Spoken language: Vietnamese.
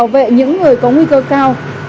và có nguy cơ cao